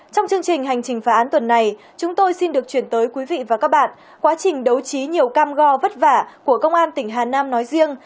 trong chương trình hành trình phá án tuần này chúng tôi xin được chuyển tới quý vị và các bạn quá trình đấu trí nhiều cam go vất vả của công an tỉnh hà nam nói riêng